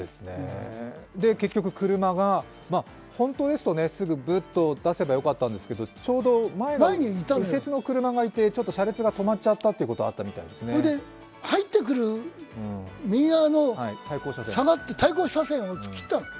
結局、車が、本当ですとすぐグッと出せばよかったんですけどちょうど前に右折の車がいて、車列が止まっちゃったことがあったようですね。入ってくる、右側の対向車線を突っ切ったの。